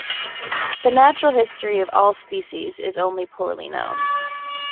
The natural history of all species is only poorly known.